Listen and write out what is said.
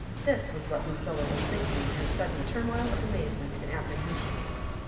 This was what Lucilla was thinking in her sudden turmoil of amazement and apprehen sion.